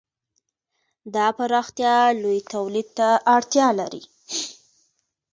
دا پراختیا لوی تولید ته اړتیا لري.